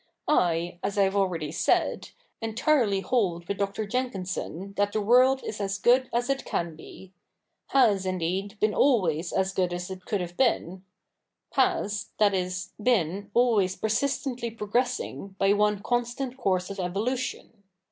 I, as I have already said, entirely hold with Dr. Jenkinson that the world is as good as it can be — has, indeed, been always as good as it could have been — has, that is, been always persistently 94 THE NEW REPUBLIC [bk. ii progressing by one constant course of evolution.